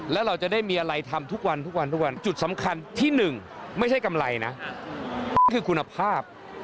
แล้วเราจะได้มีอะไรทำทุกวันจุดสำคัญที่หนึ่งไม่ใช่กำไรนะคือคุณภาพ